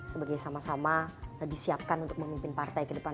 sebagai sama sama disiapkan untuk memimpin partai ke depan